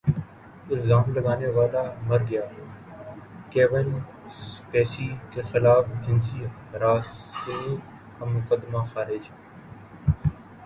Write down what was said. الزام لگانے والا مر گیا کیون اسپیسی کے خلاف جنسی ہراسانی کا مقدمہ خارج